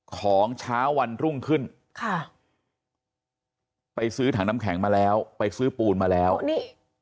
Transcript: ของเช้าวันรุ่งขึ้นค่ะไปซื้อถังน้ำแข็งมาแล้วไปซื้อปูนมาแล้วนี่